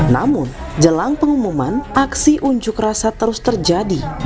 namun jelang pengumuman aksi unjuk rasa terus terjadi